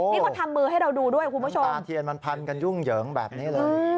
นี่เขาทำมือให้เราดูด้วยคุณผู้ชมตาเทียนมันพันกันยุ่งเหยิงแบบนี้เลย